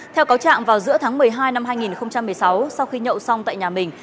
theo cáo trạng vào giữa tháng một mươi hai năm hai nghìn một mươi sáu sau khi nhậu xong tại nhà mình